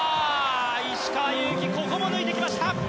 石川祐希、ここも抜いてきました。